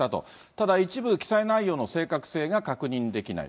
ただ、一部記載内容の正確性が確認できない。